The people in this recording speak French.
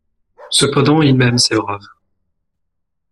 Cependant ils m'aiment, ces braves!